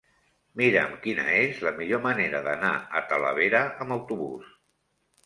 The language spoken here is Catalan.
Mira'm quina és la millor manera d'anar a Talavera amb autobús.